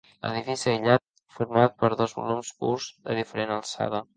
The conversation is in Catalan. Edifici aïllat format per dos volums purs de diferent alçada.